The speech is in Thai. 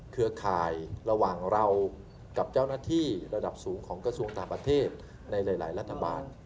เครือข่ายระหว่างเรากับเจ้าหน้าที่ระดับสูงของกระทรวงต่างประเทศในหลายรัฐบาล